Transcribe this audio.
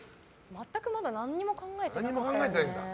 全くまだ何も考えてなくて。